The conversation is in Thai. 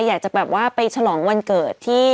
อยากจะแบบว่าไปฉลองวันเกิดที่